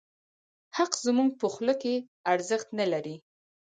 حق زموږ په خوله کې ارزښت نه لري.